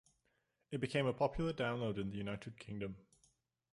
It became a popular download in the United Kingdom.